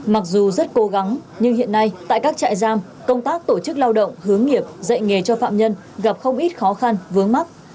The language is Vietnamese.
mặc dù rất cố gắng nhưng hiện nay tại các trại giam công tác tổ chức lao động hướng nghiệp dạy nghề cho phạm nhân gặp không ít khó khăn vướng mắt